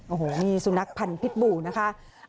โอ้โหนี่สุนัขพันธ์พิษบูนะคะ